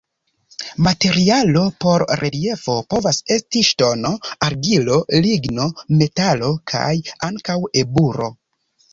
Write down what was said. Materialo por reliefo povas esti ŝtono, argilo, ligno, metalo kaj ankaŭ eburo.